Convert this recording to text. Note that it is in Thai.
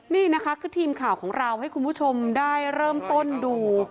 นี่นะคะคือทีมข่าวของเราให้คุณผู้ชมได้เริ่มต้นดู